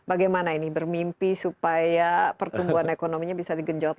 bagaimana ini bermimpi supaya pertumbuhan ekonominya bisa digenjot